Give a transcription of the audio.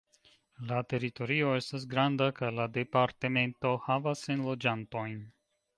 La teritorio estas granda, kaj la departemento havas enloĝantojn.